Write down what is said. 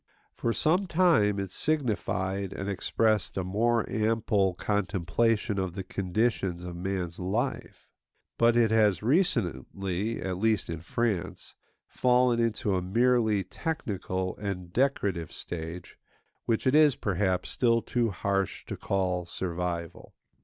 For some time it signified and expressed a more ample contemplation of the conditions of man's life; but it has recently (at least in France) fallen into a merely technical and decorative stage, which it is, perhaps, still too harsh to call survival.